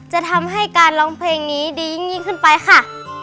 จะทำให้การร้องเพลงนี้ดียิ่งขึ้นไปค่ะ